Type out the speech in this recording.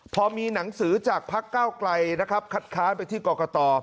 พอมีหนังสือจากพักเก้าไกลนะครับคัดค้านไปที่กรกต